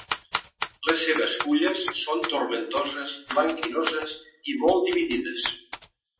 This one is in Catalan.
Les seves fulles són tomentoses, blanquinoses i molt dividides.